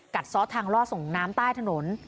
กัสซ้อซ์ทางล่อทรงน้ำใต้ถนน